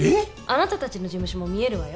あなたたちの事務所も見えるわよ。